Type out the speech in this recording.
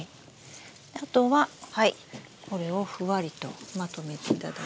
あとはこれをふわりとまとめていただいて。